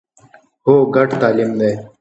هو، ګډ تعلیم دی